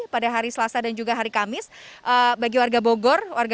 pada hari selasa dan juga hari kamis bagi warga bogor